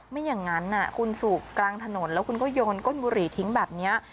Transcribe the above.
ไม่อย่างนั้นคุณสูบกลางถนนแล้วคุณก็โยนก้นบุหรี่ทิ้งแบบนี้